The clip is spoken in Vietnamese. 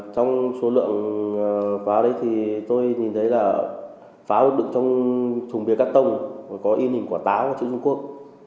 trong số lượng pháo đấy thì tôi nhìn thấy là pháo được đựng trong thùng bìa cắt tông có yên hình quả táo chữ trung quốc